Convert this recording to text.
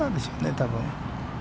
多分。